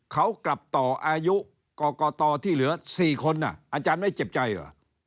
เขากลับต่ออายุกรกตที่เหลือ๔คนอาจารย์ไม่เจ็บใจเหรอ